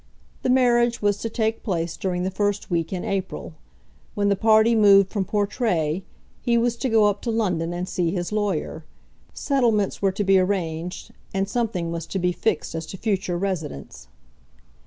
The marriage was to take place during the first week in April. When the party moved from Portray, he was to go up to London and see his lawyer. Settlements were to be arranged, and something was to be fixed as to future residence.